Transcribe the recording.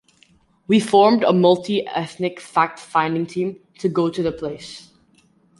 We formed a multi-ethnic fact finding team to go to the place.